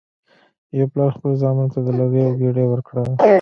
یو پلار خپلو زامنو ته د لرګیو ګېډۍ ورکړه.